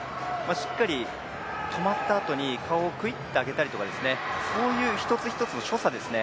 しっかり止まったあとに顔をくいっと上げたりとかそういう一つ一つの所作ですね